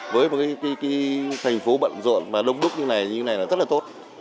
với một cái thành phố bận ruộng mà đông đúc như thế này như thế này là rất là tốt